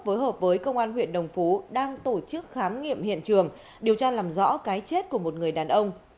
phối hợp với công an huyện đồng phú đang tổ chức khám nghiệm hiện trường điều tra làm rõ cái chết của một người đàn ông